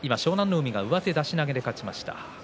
海が上手出し投げで勝ちました。